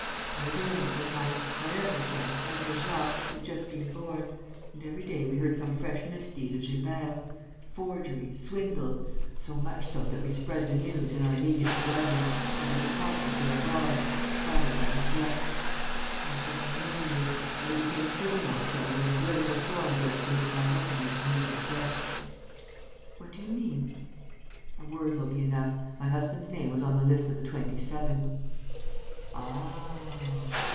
I was ailing at the time; my other son, my little Jacques, had just been born. And every day we heard of some fresh misdeed of Gilbert's forgeries, swindles so much so that we spread the news, in our immediate surroundings, of his departure for abroad, followed by his death. Life was a misery; and it became still more so when the political storm burst in which my husband was to meet his death." "What do you mean?" "A word will be enough: my husband's name was on the list of the Twenty seven." "Ah!"